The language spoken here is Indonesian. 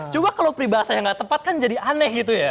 cuma kalau peribahasa yang nggak tepat kan jadi aneh gitu ya